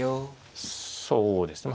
そうですね。